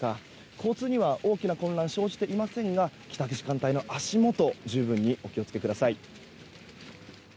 交通には大きな混乱は生じていませんが帰宅時間帯の足元十分にお気を付けください。